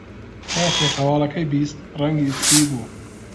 کاتێک هەواڵەکەی بیست، ڕەنگی سپی بوو.